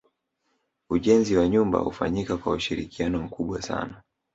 Ujenzi wa nyumba hufanyika kwa ushirikiano mkubwa sana